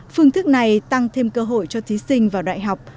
phương thức này tăng thêm cơ hội cho thí sinh vào đại học